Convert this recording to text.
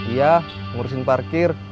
iya ngurusin parkir